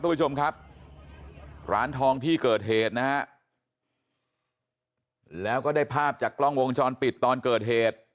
ผู้ชมครับร้านทองที่เกิดเหตุนะฮะแล้วก็ได้ภาพจากกล้องวงจรปิดตอนเกิดเหตุ